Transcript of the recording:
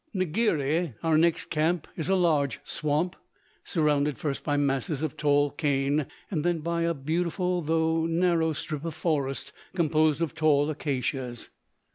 Ngiri, our next camp, is a large swamp, surrounded first by masses of tall cane and then by a beautiful though narrow strip of forest composed of tall acacias.